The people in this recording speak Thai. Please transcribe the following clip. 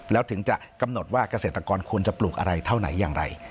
แล้วถึงจะกำหนดว่าเกษตรกรควรจะปลูกอะไรเท่าไหนอย่างไร